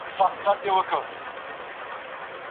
که د واليبال ټیم یو ځای کار ونکړي نو بریا ته نشي رسېدلی.